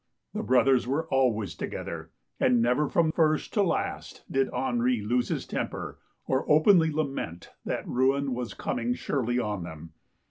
The brothers were always together, and never from first to last did Henri lose his temper, or openly lament that ruin was coming surely on them.